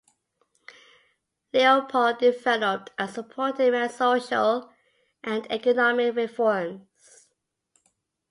Leopold developed and supported many social and economic reforms.